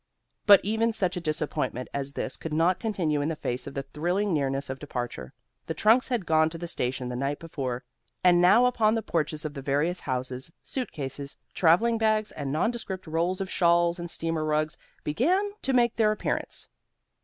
But even such a disappointment as this could not continue in the face of the thrilling nearness of departure. The trunks had gone to the station the night before, and now upon the porches of the various houses, suitcases, travelling bags, and nondescript rolls of shawls and steamer rugs began to make their appearance.